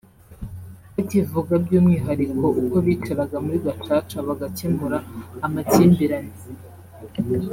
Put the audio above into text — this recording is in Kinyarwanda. bakivuga by’umwihariko uko bicaraga muri Gacaca bagakemura amakimbirane